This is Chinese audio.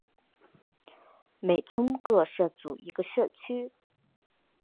每村各设组一个社区。